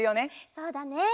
そうだね。